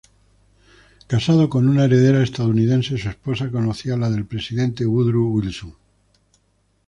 Casado con una heredera estadounidense, su esposa conocía a la del presidente Woodrow Wilson.